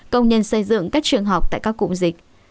công nhân xây dựng các trường học tại các cụm dịch